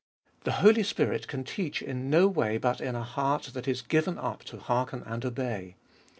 The Holy Spirit can teach in no way but in a heart that is given up to hearken and obey.